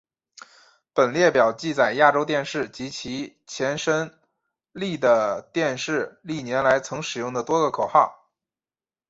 本列表记载亚洲电视及其前身丽的电视历年来曾使用的多个口号。